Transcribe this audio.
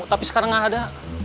tapi sekarang gak ada